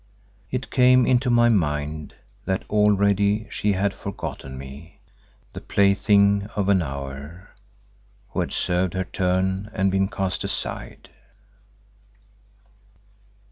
It came into my mind that already she had forgotten me, the plaything of an hour, who had served her turn and been cast aside.